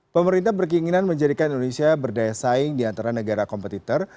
pemerintah berkinginan menjadikan indonesia berdaya saing di antara negara kompetitor